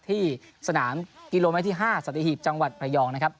ที่สนามกิโลเมตรที่๕สัตหีบจังหวัดระยองนะครับ